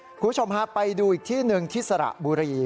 คุณผู้ชมฮะไปดูอีกที่หนึ่งที่สระบุรี